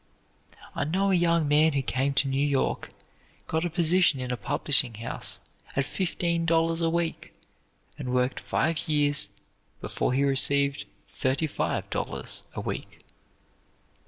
I know a young man who came to New York, got a position in a publishing house at fifteen dollars a week, and worked five years before he received thirty five dollars a week.